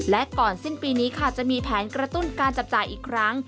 และก่อนสิ้นปีนี้ค่ะจะมีแผนกระตุ้นการจับจ่ายอีกครั้ง